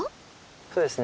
そうですね。